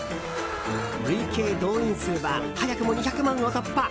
累計動員数は早くも２００万を突破。